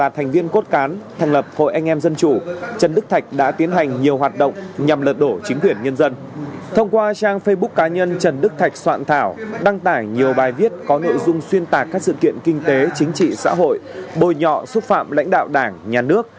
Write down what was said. thông qua trang facebook cá nhân trần đức thạch soạn thảo đăng tải nhiều bài viết có nội dung xuyên tạc các sự kiện kinh tế chính trị xã hội bồi nhọ xúc phạm lãnh đạo đảng nhà nước